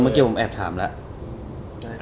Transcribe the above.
เมื่อกี้ผมแอบถามแล้ว